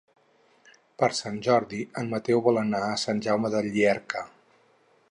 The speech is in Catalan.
Per Sant Jordi en Mateu vol anar a Sant Jaume de Llierca.